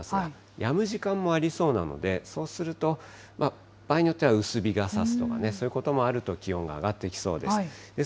やむ時間もありそうなので、そうすると、場合によっては薄日がさすとかね、そういうこともあると気温が上がってきそうです。